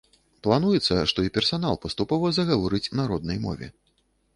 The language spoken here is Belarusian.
Плануецца, што і персанал паступова загаворыць на роднай мове.